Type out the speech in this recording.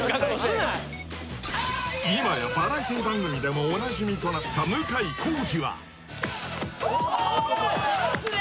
今やバラエティ番組でもおなじみとなった向井康二はおおーじらすね！